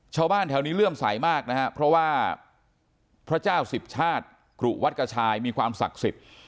ชาวบ้านแถวนี้เลื่อมใสมากนะครับเพราะว่าพระเจ้าสิบชาติกรุวัดกระชายมีความศักดิ์สิทธิ์